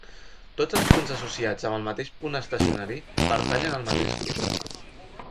Tots els punts associats amb el mateix punt estacionari pertanyen al mateix grup.